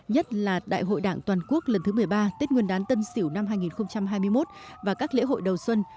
nhất là đại hội đảng toàn quốc lần thứ một mươi ba tết nguyên đán tân sỉu năm hai nghìn hai mươi một và các lễ hội đầu xuân